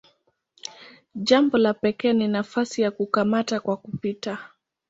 Jambo la pekee ni nafasi ya "kukamata kwa kupita".